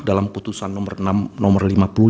dalam putusan nomor lima puluh lima